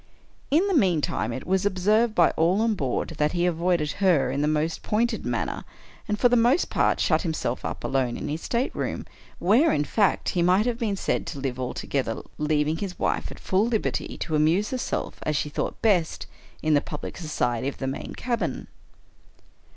In the meantime, it was observed by all on board, that he avoided her in the most pointed manner, and, for the most part, shut himself up alone in his stateroom, where, in fact, he might have been said to live altogether, leaving his wife at full liberty to amuse herself as she thought best, in the public society of the main cabin.